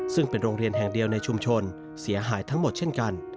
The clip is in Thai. ซึ่งเป็นโรงเรียนแห่งเดียวในชุมชนเสียหายทั้งหมดเช่นกัน